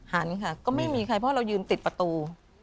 หันค่ะก็ไม่มีใครเพราะเรายืนติดประตู